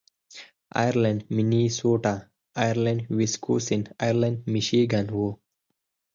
ایرلنډ مینیسوټا، ایرلنډ ویسکوسین، ایرلنډ میشیګان و.